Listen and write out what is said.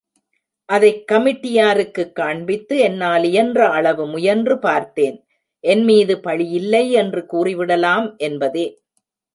அதைக் கமிட்டி யாருக்குக் காண்பித்து, என்னாலியன்ற அளவு முயன்று பார்த்தேன், என்மீது பழியில்லை என்று கூறிவிடலாம் என்பதே.